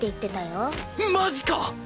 マジか！